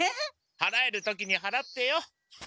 はらえる時にはらってよ。